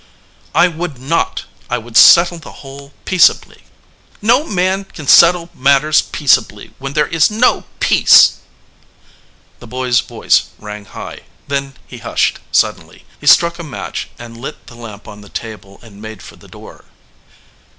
"I would not! I would settle the whole peace ably." "No man can settle matters peaceably when there is no peace." The boy s voice rang high, then he hushed sud denly. He struck a match and lit the lamp on the table and made for the door.